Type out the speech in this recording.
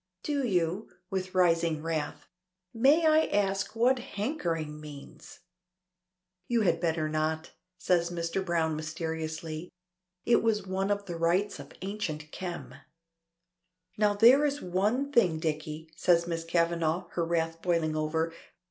"Do you?" with rising wrath. "May I ask what hankering means?" "You had better not," says Mr. Browne mysteriously. "It was one of the rites of Ancient Kem!" "Now there is one thing, Dicky," says Miss Kavanagh, her wrath boiling over.